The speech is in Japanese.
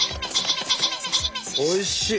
おいしい！